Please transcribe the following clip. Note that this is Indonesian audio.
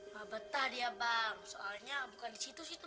ya betah dia bang soalnya tempat ini bukan di situ